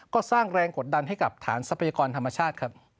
ก็สร้างแรงกดดันให้กับฐานทรัพยากรธรรมชาติครับ